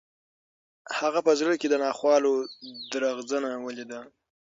هغه په زړه کې د ناخوالو درغځنه ولیده.